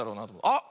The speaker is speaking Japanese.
あっ！